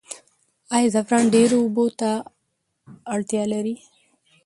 آیا زعفران ډیرې اوبو ته اړتیا لري؟